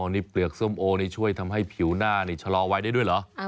นี่เปลือกส้มโอนี่ช่วยทำให้ผิวหน้านี่ชะลอวัยได้ด้วยเหรอ